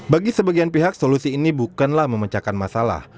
bagi sebagian pihak solusi ini bukanlah memecahkan masalah